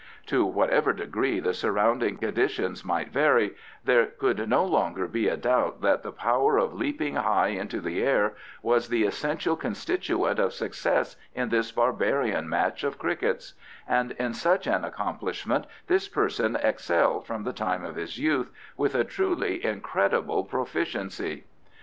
To whatever degree the surrounding conditions might vary, there could no longer be a doubt that the power of leaping high into the air was the essential constituent of success in this barbarian match of crickets and in such an accomplishment this person excelled from the time of his youth with a truly incredible proficiency.